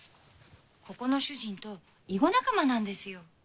ここの主人と囲碁仲間なんですよ。